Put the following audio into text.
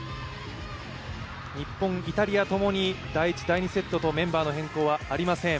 日本、イタリアともに第１セット、第２セットでメンバーの変更はありません。